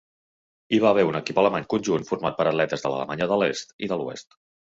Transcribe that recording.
Hi va haver un equip alemany conjunt format per atletes de l'Alemanya de l'Est i de l'Oest.